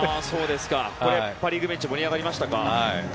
パ・リーグベンチは盛り上がりましたか。